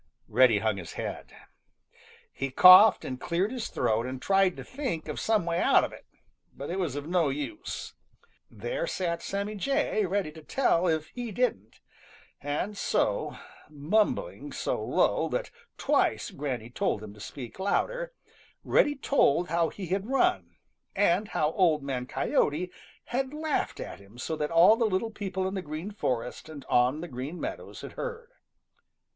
Reddy hung his head. He coughed and cleared his throat and tried to think of some way out of it. But it was of no use. There sat Sammy Jay ready to tell if he didn't, and so, mumbling so low that twice Granny told him to speak louder, Reddy told how he had run, and how Old Man Coyote had laughed at him so that all the little people in the Green Forest and on the Green Meadows had heard.